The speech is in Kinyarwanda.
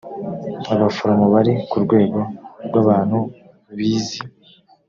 abaforomo bari ku rwego rwabantu bizi.